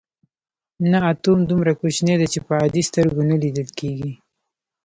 نه اتوم دومره کوچنی دی چې په عادي سترګو نه لیدل کیږي.